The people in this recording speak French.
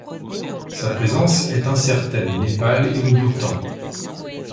Sa présence est incertaine au Népal et au Bhoutan.